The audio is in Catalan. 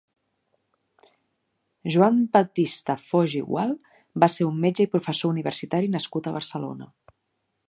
Joan Batista Foix i Gual va ser un metge i professor universitari nascut a Barcelona.